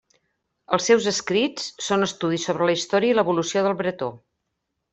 Els seus escrits són estudis sobre la història i evolució del bretó.